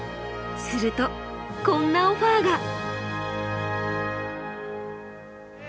するとこんなオファーが。